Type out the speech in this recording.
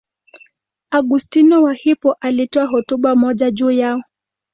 Augustino wa Hippo alitoa hotuba moja juu yao.